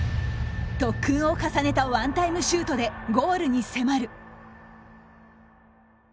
特訓を重ねたワンタイムシュートでゴールに迫る。